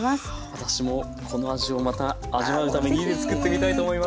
私もこの味をまた味わうために家で作ってみたいと思います。